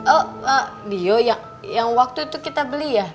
oh eh dio yang waktu itu kita beli ya